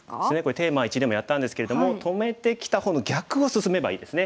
テーマ１でもやったんですけれども止めてきた方の逆を進めばいいですね。